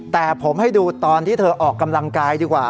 แต่ผมให้ดูตอนที่เธอออกกำลังกายดีกว่า